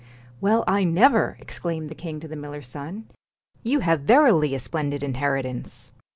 1 Well, I never !' exclaimed the king to the miller's son, ' you have verily a splendid inheritance.'